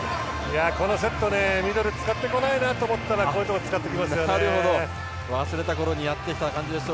このセット、ミドルを使ってこないなと思ったらこういうところで使ってきますね。